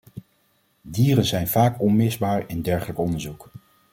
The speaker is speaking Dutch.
Dieren zijn vaak onmisbaar in dergelijk onderzoek.